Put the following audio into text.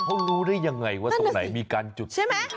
เขารู้ได้ยังไงว่าตรงไหนมีการจุดใช่ไหม